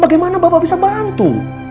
bagaimana bapak bisa bantu